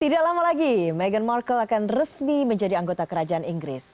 tidak lama lagi meghan markle akan resmi menjadi anggota kerajaan inggris